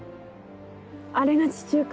あれが地中海。